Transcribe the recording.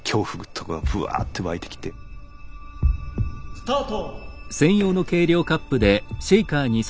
スタート。